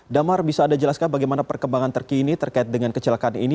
damar bisa anda jelaskan bagaimana perkembangan terkini terkait dengan kecelakaan ini